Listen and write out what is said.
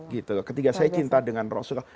ketika saya cinta dengan rasulullah